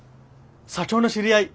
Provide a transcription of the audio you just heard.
社長の知り合い。